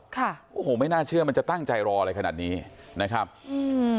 ค่ะโอ้โหไม่น่าเชื่อมันจะตั้งใจรออะไรขนาดนี้นะครับอืม